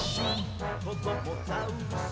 「こどもザウルス